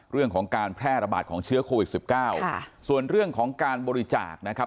เรื่องของการแพร่ระบาดของเชื้อโควิดสิบเก้าค่ะส่วนเรื่องของการบริจาคนะครับ